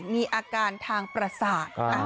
มีอาการทางประสาท